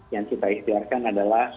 yang kita istiarkan adalah